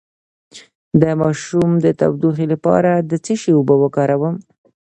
د ماشوم د ټوخي لپاره د څه شي اوبه وکاروم؟